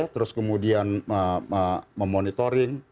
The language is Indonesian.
terus kemudian memonitoring